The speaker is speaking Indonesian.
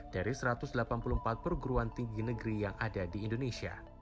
dari satu ratus delapan puluh empat perguruan tinggi negeri yang ada di indonesia